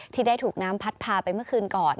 ที่ได้ถูกน้ำพัดพาไปเมื่อคืนก่อน